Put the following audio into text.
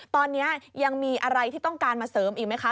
ตอนนี้ยังมีอะไรที่ต้องการมาเสริมอีกไหมคะ